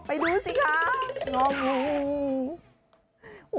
ไปดูสิครับน้องงู